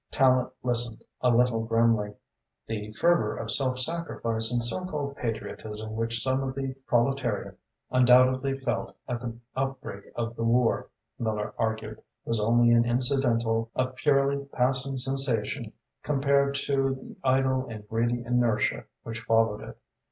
Tallente listened a little grimly. "The fervour of self sacrifice and so called patriotism which some of the proletariat undoubtedly felt at the outbreak of the war," Miller argued, "was only an incidental, a purely passing sensation compared to the idle and greedy inertia which followed it.